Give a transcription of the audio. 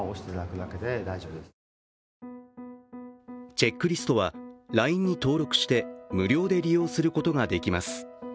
チェックリストはＬＩＮＥに登録して無料で利用することができます。